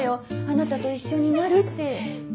あなたと一緒になるって。